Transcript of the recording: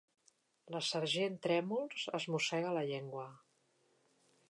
La sergent Trèmols es mossega la llengua.